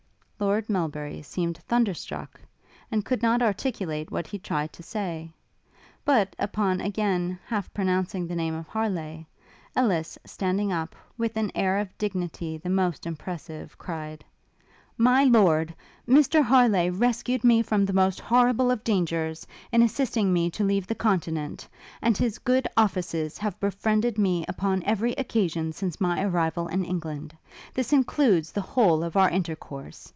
Lord Melbury seemed thunderstruck, and could not articulate what he tried to say; but, upon again half pronouncing the name of Harleigh, Ellis, standing up, with an air of dignity the most impressive, cried, 'My lord, Mr Harleigh rescued me from the most horrible of dangers, in assisting me to leave the Continent; and his good offices have befriended me upon every occasion since my arrival in England. This includes the whole of our intercourse!